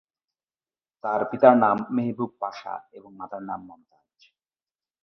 তার পিতার নাম মেহবুব পাশা এবং মাতার নাম মমতাজ।